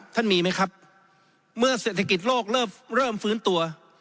มีไหมครับเมื่อเศรษฐกิจโลกเริ่มฟื้นตัว